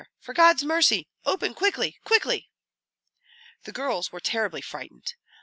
For God's mercy! open quickly, quickly!" The girls were terribly frightened.